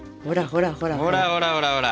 ほらほらほらほら！